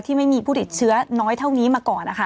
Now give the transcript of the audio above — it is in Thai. ไม่มีผู้ติดเชื้อน้อยเท่านี้มาก่อนนะคะ